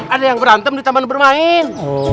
ada yang berantem di taman bermain